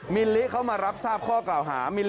มิลลิเข้ามารับทราบข้อกล่องหามิลลิดะนุพาคณาเทียระกุล